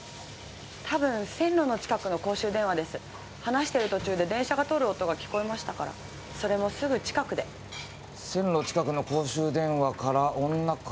たぶん線路の近くの公衆電話です話してる途中で電車が通る音が聞こえましたからそれもすぐ近くで線路近くの公衆電話から女か